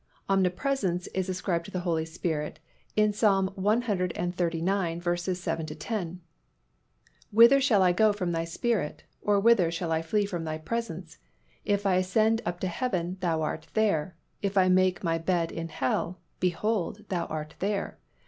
Omnipresence is ascribed to the Holy Spirit in Ps. cxxxix. 7 10, "Whither shall I go from Thy Spirit? or whither shall I flee from Thy presence? If I ascend up into heaven, Thou art there: if I make my bed in hell, behold, Thou art there.